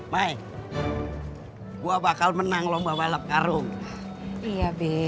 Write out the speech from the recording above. mai gua bakal menang lomba balap karung iya be